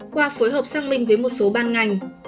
qua phối hợp xác minh với một số ban ngành